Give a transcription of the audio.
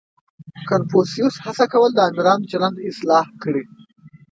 • کنفوسیوس هڅه کوله، د آمرانو چلند اصلاح کړي.